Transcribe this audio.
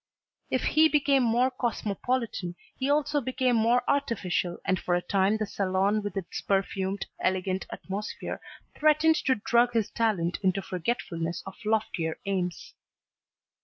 If he became more cosmopolitan he also became more artificial and for a time the salon with its perfumed, elegant atmosphere threatened to drug his talent into forgetfulness of loftier aims.